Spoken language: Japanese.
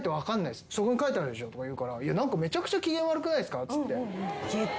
「そこに書いてあるでしょ」とか言うからめちゃくちゃ機嫌悪くないですかっつって。